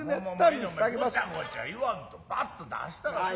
もうごちゃごちゃ言わんとバッと出したらええ。